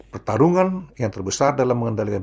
pertarungan yang terbesar dalam mengendalikan